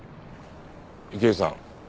池井さん